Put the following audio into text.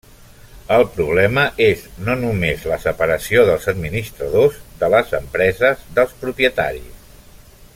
El problema és no només la separació dels administradors de les empreses dels propietaris.